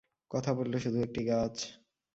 কথা বলল শুধু একটি গাছ।